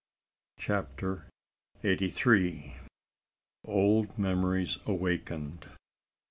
CHAPTER EIGHTY THREE. OLD MEMORIES AWAKENED.